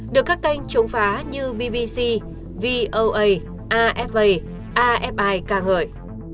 được các kênh chống phá như bvc voa afa afi ca ngợi